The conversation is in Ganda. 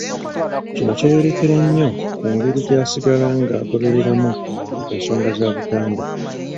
Kino kyeyolekera nnyo ku ngeri gy'asigala ng'agobereramu ensonga za Buganda.